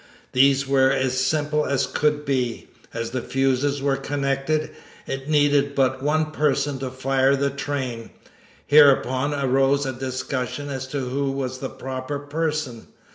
These were as simple as could be. As the fuses were connected, it needed but one person to fire the train. Hereupon arose a discussion as to who was the proper person.